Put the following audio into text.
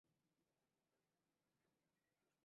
বললে হয়ত একটু আধটু মার খাবি।